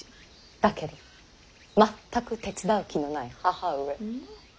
だけど全く手伝う気のない義母上。